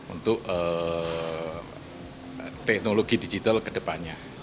itu teknologi digital kedepannya